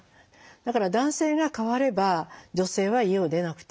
だから男性が変われば女性は家を出なくて済む。